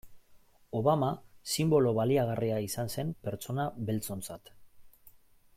Obama sinbolo baliagarria izan zen pertsona beltzontzat.